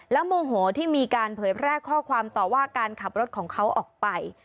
โมโหที่มีการเผยแพร่ข้อความต่อว่าการขับรถของเขาออกไป